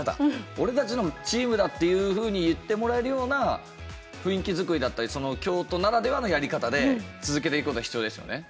「俺たちのチームだ」っていうふうに言ってもらえるような雰囲気作りだったり京都ならではのやり方で続けていくことが必要ですよね。